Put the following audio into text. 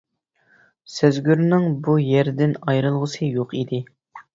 سەزگۈرنىڭ بۇ يەردىن ئايرىلغۇسى يوق ئىدى.